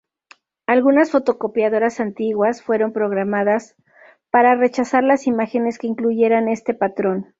Algunas fotocopiadoras antiguas fueron programadas para rechazar las imágenes que incluyeran este patrón.